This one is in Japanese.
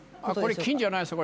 これ金じゃないですよ。